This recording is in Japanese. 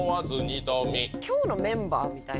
「今日のメンバー」みたいな。